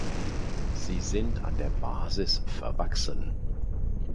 Sie sind an der Basis verwachsen.